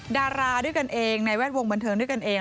ดาราด้วยกันเองในแวดวงบันเทิงด้วยกันเอง